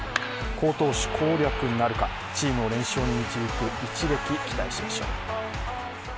好投手攻略なるか、チームを連勝に導く一撃、期待しましょう。